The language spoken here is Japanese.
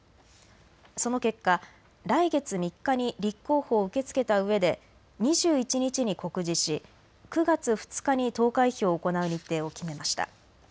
その結果、来月３日に立候補を受け付けたうえで２１日に告示し９月２日に投開票を行う日程を決めました。